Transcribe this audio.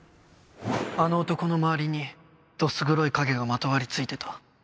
あの男の周りにどす黒い影がまとわり付いてた